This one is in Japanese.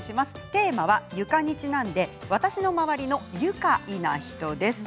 テーマは床にちなんで私の周りの愉快な人です。